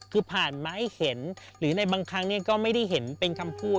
คือผ่านมาให้เห็นหรือในบางครั้งก็ไม่ได้เห็นเป็นคำพูด